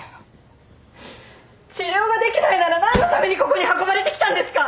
治療ができないなら何のためにここに運ばれてきたんですか！？